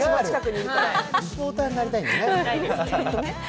リポーターになりたいんだね。